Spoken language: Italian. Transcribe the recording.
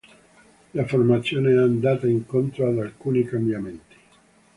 La formazione è andata incontro ad alcuni cambiamenti.